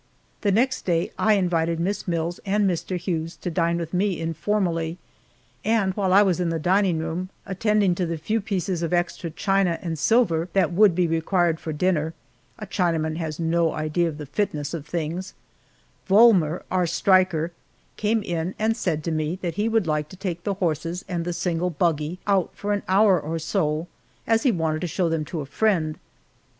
The next day I invited Miss Mills and Mr. Hughes to dine with me informally, and while I was in the dining room attending to the few pieces of extra china and silver that would be required for dinner (a Chinaman has no idea of the fitness of things), Volmer, our striker, came in and said to me that he would like to take the horses and the single buggy out for an hour or so, as he wanted to show them to a friend.